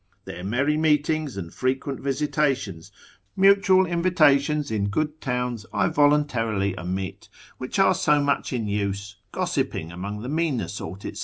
Their merry meetings and frequent visitations, mutual invitations in good towns, I voluntarily omit, which are so much in use, gossiping among the meaner sort, &c.